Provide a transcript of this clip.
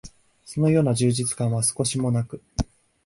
そのような充実感は少しも無く、